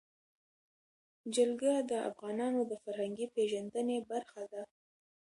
جلګه د افغانانو د فرهنګي پیژندنې برخه ده.